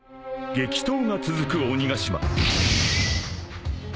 ［激闘が続く鬼ヶ島］